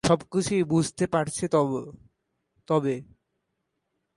সব কিছুই বুঝতে পারছো তবে।